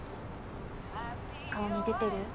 顔に出てる？